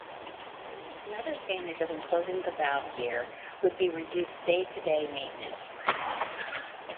Another advantage of enclosing the valve gear would be reduced day-to-day maintenance.